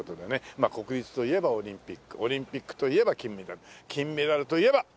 まあ国立といえばオリンピックオリンピックといえば金メダル金メダルといえばこの方。